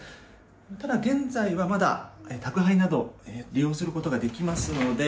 ただ、現在はまだ宅配などを利用することができますので